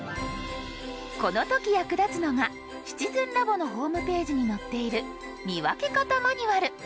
この時役立つのが「シチズンラボ」のホームページに載っている「見分け方マニュアル」。